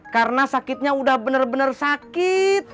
karena sakitnya udah bener bener sakit